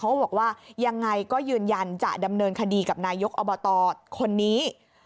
เขาบอกว่ายังไงก็ยืนยันจะดำเนินคดีกับนายกอบตคนนี้